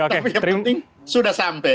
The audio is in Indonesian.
tapi yang penting sudah sampai